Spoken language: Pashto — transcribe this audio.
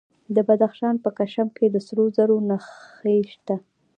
د بدخشان په کشم کې د سرو زرو نښې شته.